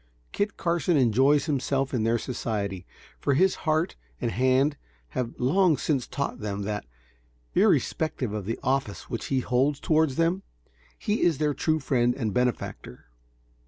Kit Carson enjoys himself in their society, for his heart and hand have long since taught them that, irrespective of the office which he holds towards them, he is their true friend and benefactor.